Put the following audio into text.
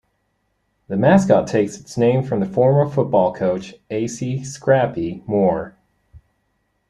The mascot takes its name from former football coach A. C. "Scrappy" Moore.